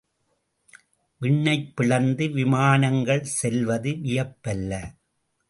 விண்ணைப் பிளந்து விமானங்கள் செல்வது வியப்பல்ல.